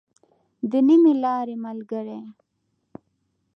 د نيمې لارې ملګری.